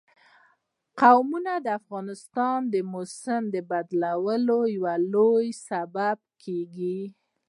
قومونه د افغانستان د موسم د بدلون یو لوی سبب کېږي.